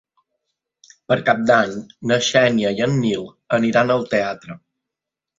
Per Cap d'Any na Xènia i en Nil aniran al teatre.